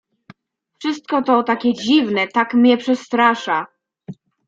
"Wszystko to takie dziwne, tak mię przestrasza."